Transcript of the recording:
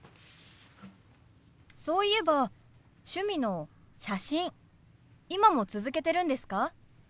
そういえば趣味の写真今も続けてるんですか？